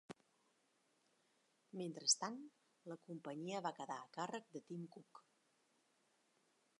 Mentrestant, la companyia va quedar a càrrec de Tim Cook.